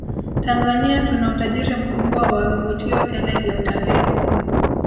Tanzania tuna utajiri mkubwa wa vivutio tele vya utalii